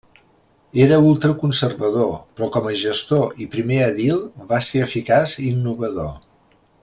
Era ultraconservador, però com a gestor i primer edil va ser eficaç i innovador.